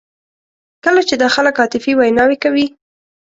کله چې دا خلک عاطفي ویناوې کوي.